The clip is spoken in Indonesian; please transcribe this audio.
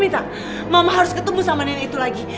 mama harus ketemu sama nenek itu lagi